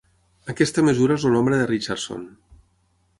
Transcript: Aquesta mesura és el nombre de Richardson.